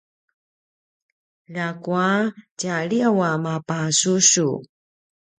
ljakua tjaliyaw a mapasusu